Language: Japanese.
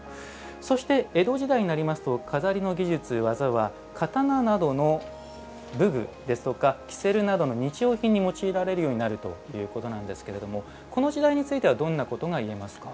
そして江戸時代になりますと錺の技術技は刀などの武具ですとかキセルなどの日用品に用いられるようになるということなんですけれどもこの時代についてはどんなことが言えますか？